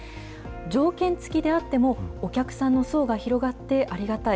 条件付きであっても、お客さんの層が広がって、ありがたい。